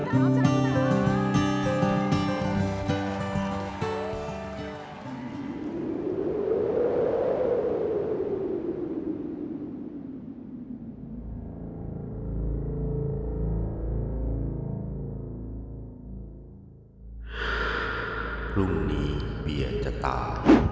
หลุมนี้เบียจะตาย